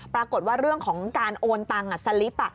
ปรากฏว่าเรื่องของการโอนตังค์สลิป